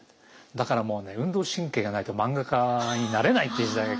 だからもうね運動神経がないと漫画家になれないっていう時代が。